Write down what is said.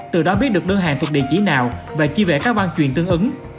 từ đó biết được đơn hàng thuộc địa chỉ nào và chi vẽ các văn chuyển tương ứng